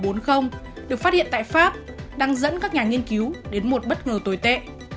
phần khác của sars cov hai là b một sáu trăm bốn mươi được phát hiện tại pháp đang dẫn các nhà nghiên cứu đến một bất ngờ tồi tệ